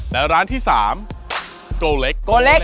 และร้านที่๓โกเล็ก